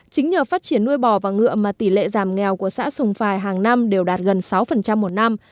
chính nhờ phát triển nuôi bò và ngựa mà tỷ lệ giảm nghèo của xã sùng phà hàng năm đều đạt gần sáu một năm